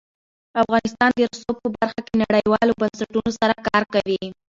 افغانستان د رسوب په برخه کې نړیوالو بنسټونو سره کار کوي.